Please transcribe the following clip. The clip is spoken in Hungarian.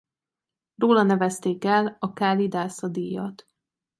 Róla nevezték el a Kálidásza-díjat.